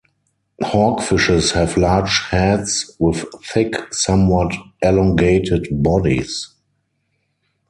Hawkfishes have large heads with thick, somewhat elongated bodies.